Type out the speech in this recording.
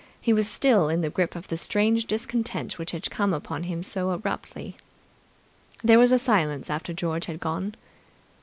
He was still in the grip of the strange discontent which had come upon him so abruptly. There was a silence after George had gone.